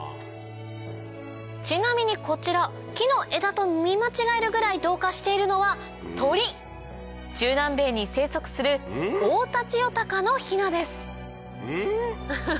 ちなみにこちら木の枝と見間違えるぐらい同化しているのは鳥中南米に生息するオオタチヨタカのひなですん？